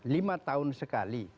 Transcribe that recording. lima tahun sekali